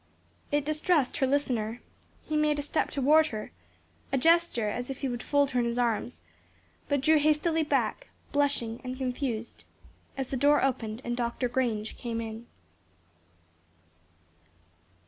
It distressed her listener. He made a step toward her, a gesture as if he would fold her in his arms, but drew hastily back, blushing and confused as the door opened and Dr. Grange came in.